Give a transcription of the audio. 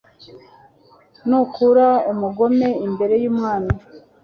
nukura umugome imbere y’umwami